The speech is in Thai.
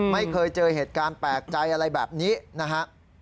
ไม่เคยเจอเหตุการณ์แปลกใจอะไรแบบนี้นะฮะ